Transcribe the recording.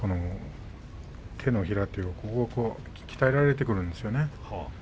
手の平というかここが鍛えられてくるんですよね。